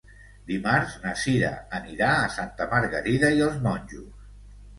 Dimarts na Cira anirà a Santa Margarida i els Monjos.